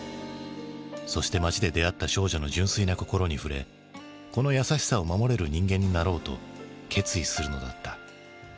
そして街で出会った少女の純粋な心に触れこの優しさを守れる人間になろうと決意するのだった。